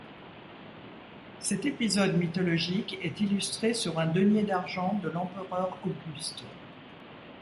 Cet épisode mythologique est illustré sur un denier d'argent de l'empereur Auguste.